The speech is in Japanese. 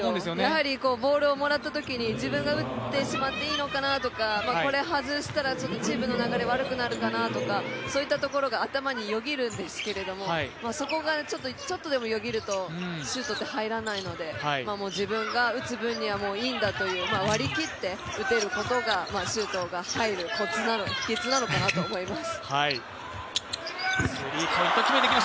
やはりボールをもらったときに、自分が打ってしまっていいのかなとか、これ、外したらチームの流れ悪くなるかなとかそういったところが頭によぎるんですけれども、そこがちょっとでもよぎるとシュートって入らないので、自分が打つ分にはいいんだという、割り切って打てることがシュートが入る秘けつなのかなと思います。